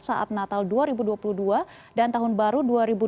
saat natal dua ribu dua puluh dua dan tahun baru dua ribu dua puluh